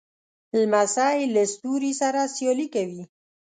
لمسی له ستوري سره سیالي کوي.